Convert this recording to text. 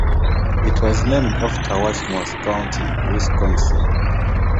It was named after Walworth County, Wisconsin.